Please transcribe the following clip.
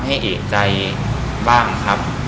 ให้เอกใจบ้างครับ